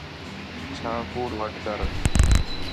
چَھا کُوڑ وَڈھ کر